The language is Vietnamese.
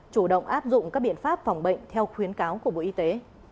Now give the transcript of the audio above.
chủ động áp dụng các biện pháp phòng bệnh theo khuyến cáo của bộ y tế